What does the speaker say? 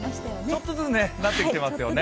ちょっとずつなってきていますよね。